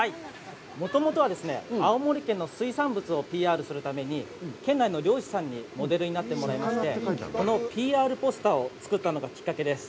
もともとはですね、青森県の水産物をＰＲするために、県内の漁師さんにモデルになってもらいまして、このＰＲポスターを作ったのがきっかけです。